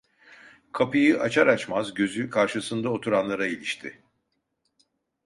Kapıyı açar açmaz gözü karşısında oturanlara ilişti.